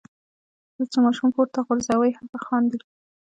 کله چې ماشوم پورته غورځوئ هغه خاندي.